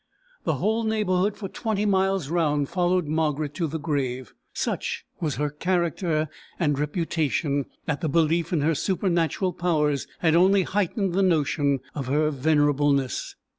The whole neighbourhood for twenty miles round followed Margaret to the grave. Such was her character and reputation, that the belief in her supernatural powers had only heightened the notion of her venerableness.